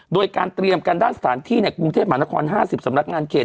โดยการเตรียมกันด้านสถานที่ในกรุงเทพมหานคร๕๐สำนักงานเขต